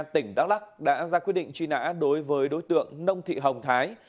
tỉnh đắk lắc đã ra quyết định truy nã đối với đối tượng nông thị hồng thái